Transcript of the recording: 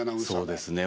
そうですね。